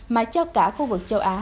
mà cho cả khu vực châu á về công nghệ bốn